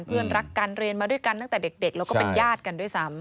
เพื่อนรักกันเรียนมาด้วยกันตั้งแต่เด็กแล้วก็เป็นญาติกันด้วยซ้ำ